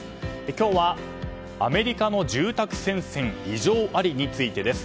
今日はアメリカの住宅戦線異状アリ！についてです。